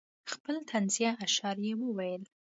خپل طنزیه اشعار یې وویل.